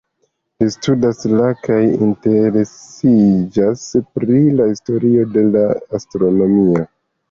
Li studas la kaj interesiĝas pri la historio de la astronomio.